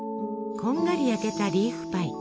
こんがり焼けたリーフパイ。